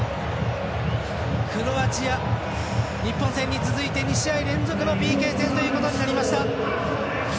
クロアチア、日本戦に続いて２試合連続のＰＫ戦ということになりました。